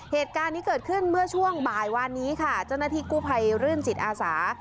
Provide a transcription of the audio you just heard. เหตุการณ์นี้เกิดขึ้นเมื่อช่วงบ่ายวานนี้ค่ะเจ้าหน้าที่กู้ภัยรื่นจิตอาสา